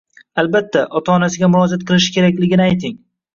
albatta, ota-onasiga murojaat qilishi kerakligini ayting.